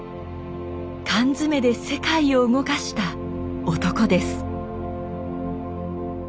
缶詰で世界を動かした男です。